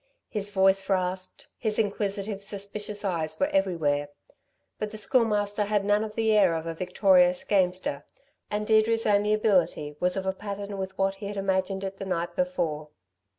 His voice rasped; his inquisitive, suspicious eyes were everywhere. But the Schoolmaster had none of the air of a victorious gamester, and Deirdre's amiability was of a pattern with what he had imagined it the night before.